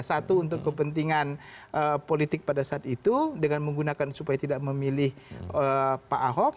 satu untuk kepentingan politik pada saat itu dengan menggunakan supaya tidak memilih pak ahok